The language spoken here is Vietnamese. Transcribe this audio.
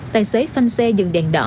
tài xế phanh xe dừng đèn đỏ